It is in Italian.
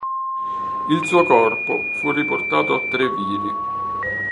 Il suo corpo fu riportato a Treviri.